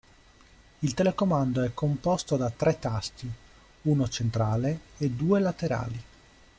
Il telecomando è composto da tre tasti, uno centrale e due laterali.